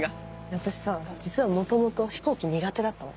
私さ実は元々飛行機苦手だったの。